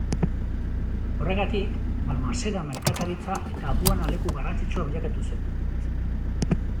Horregatik, Balmaseda merkataritza eta aduana leku garrantzitsua bilakatu zen.